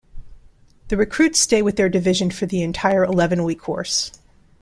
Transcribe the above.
The recruits stay with their division for the entire eleven-week course.